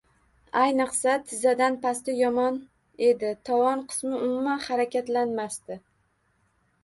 Ayniqsa, tizzadan pasti yomon edi, tovon qismi umuman harakatlanmasdi